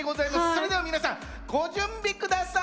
それでは皆さんご準備下さい！